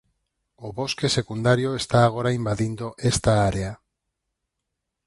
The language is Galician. O Bosque secundario está agora invadindo esta área.